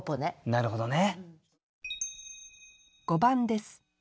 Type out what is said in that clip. なるほどね。